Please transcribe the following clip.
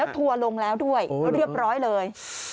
ทัวร์ลงแล้วด้วยเรียบร้อยเลย